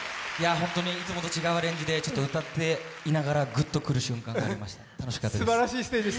本当にいつもと違うアレンジで、歌っていながらグッとくる瞬間がありました、楽しかったです。